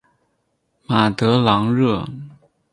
马德朗热。